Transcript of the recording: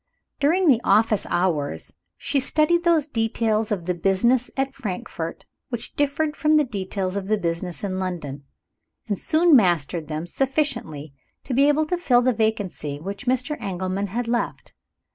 During the office hours, she studied those details of the business at Frankfort which differed from the details of the business in London; and soon mastered them sufficiently to be able to fill the vacancy which Mr. Engelman had left.